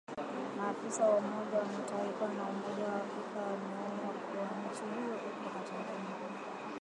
Maafisa wa Umoja wa Mataifa na Umoja wa Afrika wameonya kuwa nchi hiyo iko hatarini